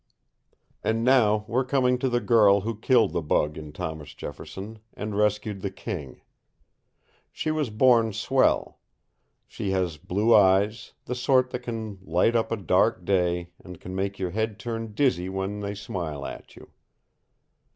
And now we're coming to the girl who killed the bug in Thomas Jefferson and rescued the king. She was born swell. She has blue eyes the sort that can light up a dark day, and can make your head turn dizzy when they smile at you.